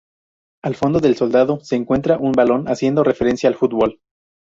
Al fondo del soldado se encuentra un balón haciendo referencia al fútbol.